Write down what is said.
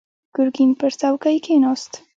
ګرګين پر څوکۍ کېناست.